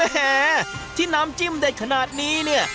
แหมที่น้ำจิ้มเด็ดขนาดนี้เนี่ย